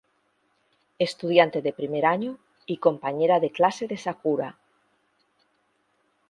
Estudiante de primer año, y compañera de clase de Sakura.